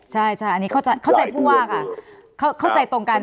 ใช่อันนี้เข้าใจผู้ว่าค่ะเข้าใจตรงกัน